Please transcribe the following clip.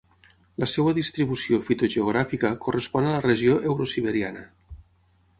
La seva distribució fitogeogràfica correspon a la regió eurosiberiana.